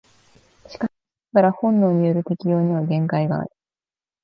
しかしながら本能による適応には限界がある。